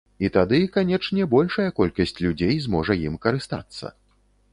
І тады, канечне, большая колькасць людзей зможа ім карыстацца.